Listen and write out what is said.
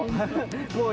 もう。